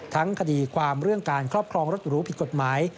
คดีความเรื่องการครอบครองรถหรูผิดกฎหมาย